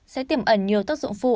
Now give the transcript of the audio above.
sẽ tiềm ẩn nhiều tác dụng phụ